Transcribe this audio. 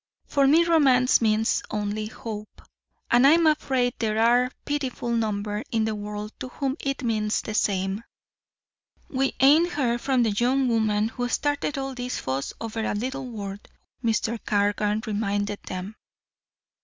For me romance means only hope. And I'm afraid there are a pitiful number in the world to whom it means the same." "We ain't heard from the young woman who started all this fuss over a little word," Mr. Cargan reminded them.